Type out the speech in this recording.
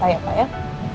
terima kasih banyak